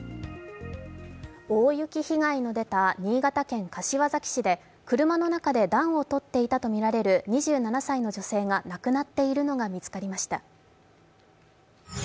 大雪被害の出た新潟県柏崎市で車の中で暖を取っていたとみられる２７歳の女性が亡くなっているのが見つかりました。